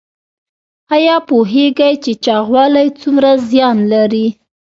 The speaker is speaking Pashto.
ایا پوهیږئ چې چاغوالی څومره زیان لري؟